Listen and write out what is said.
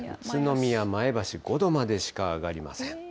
宇都宮、前橋、５度までしか上がりません。